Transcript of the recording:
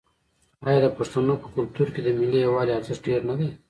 آیا د پښتنو په کلتور کې د ملي یووالي ارزښت ډیر نه دی؟